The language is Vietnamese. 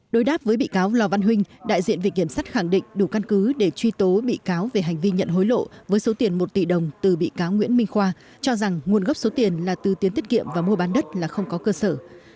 đối đáp với bị cáo lò văn huynh đại diện vị kiểm sát khẳng định đủ căn cứ để truy tố bị cáo về hành vi nhận hối lộ với số tiền một tỷ đồng từ bị cáo nguyễn minh khoa cho rằng nguồn gốc số tiền là từ tiến tiết kiệm và mua bán đất là không có cơ sở